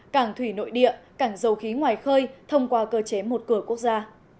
cảng thủy nội địa cảng dầu khí ngoài khơi thông qua cơ chế một cửa quốc gia